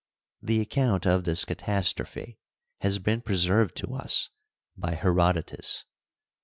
The account of this catastrophe has been preserved to us by Herodotus.